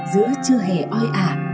giữa trưa hè ói ả